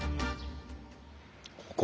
ここ